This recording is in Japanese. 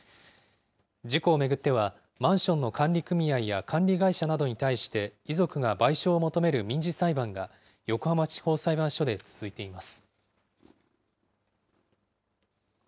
事故を巡っては、マンションの管理組合や管理会社などに対して、遺族が賠償を求める民事裁判が、横浜地方裁判所で続いています。